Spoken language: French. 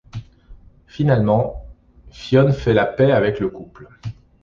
Finalement, Fionn fait la paix avec le couple.